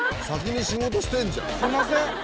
先に仕事してんじゃん。